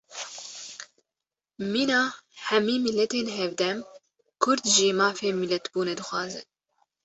Mîna hemî miletên hevdem, Kurd jî mafê milletbûnê dixwazin